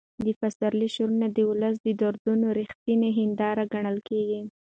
د پسرلي شعرونه د ولس د دردونو رښتینې هنداره ګڼل کېږي.